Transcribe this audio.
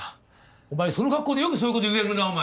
お前その格好でよくそういう事言えるなお前！